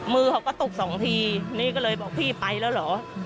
มือเขาก็ตกสองทีนี่ก็เลยบอกพี่ไปแล้วเหรอ